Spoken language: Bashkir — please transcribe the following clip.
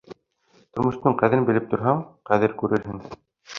Тормоштоң ҡәҙерен белеп торһаң, ҡәҙер күрерһең.